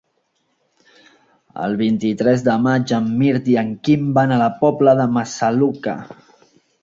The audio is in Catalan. El vint-i-tres de maig en Mirt i en Quim van a la Pobla de Massaluca.